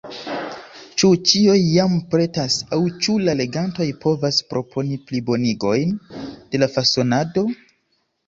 Ĉu ĉio jam pretas, aŭ ĉu la legantoj povas proponi plibonigojn de la fasonado?